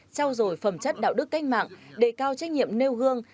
trao dồi phẩm chất đạo đức canh mạng đề cao trách nhiệm nêu hương